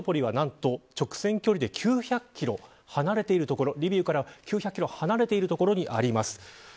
このセバストポリは直線距離で９００キロ離れている所リビウから９００キロ離れている所にあります。